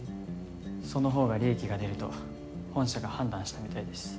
その方が利益が出ると本社が判断したみたいです。